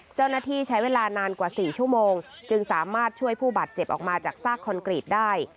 เจ้าหน้าที่ใช้เวลานานกว่า๔ชั่วโมงจึงสามารถช่วยผู้บาดเจ็บออกมาจากซากคอนกรีตได้